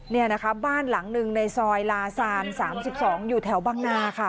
นี่นะคะบ้านหลังหนึ่งในซอยลาซาน๓๒อยู่แถวบางนาค่ะ